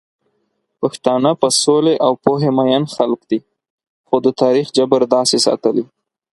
پښتانه په سولې او پوهې مئين خلک دي، خو د تاريخ جبر داسې ساتلي